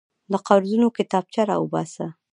د قرضونو کتابچه راوباسه.